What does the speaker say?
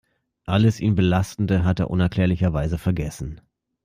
Alles ihn belastende hat er unerklärlicherweise vergessen.